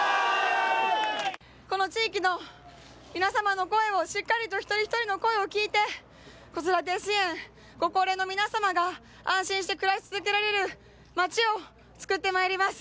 この地域の皆様の声を、しっかりと一人一人の声を聞いて、子育て支援、ご高齢の皆様が安心して暮らし続けられる街をつくってまいります。